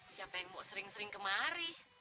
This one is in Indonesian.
siapa yang mau sering sering kemari